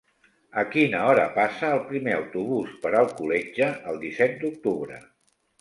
A quina hora passa el primer autobús per Alcoletge el disset d'octubre?